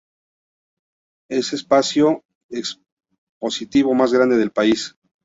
Es el espacio expositivo más grande del país.